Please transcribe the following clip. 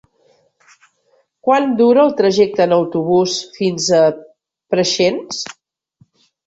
Quant dura el trajecte en autobús fins a Preixens?